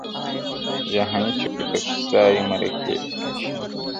جهاني چي پکښي ستایي مرکې د شمله ورو-